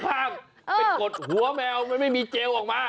ไปกดหัวแมวมันไม่มีเจลออกมา